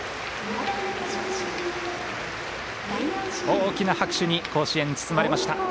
大きな拍手に甲子園包まれました。